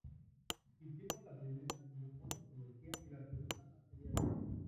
Hicimos la primera como una antología y la segunda más serial.